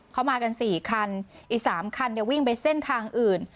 เขามากัน๔คันอีก๓คันวิ่งไปเส้นทางอื่น